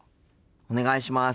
お願いします。